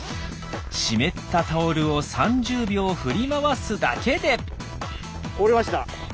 湿ったタオルを３０秒振り回すだけで。